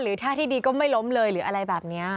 ท่าที่ดีก็ไม่ล้มเลยหรืออะไรแบบนี้